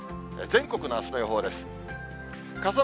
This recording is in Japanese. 全国のあすの予報です。